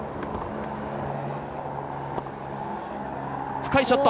深いショット！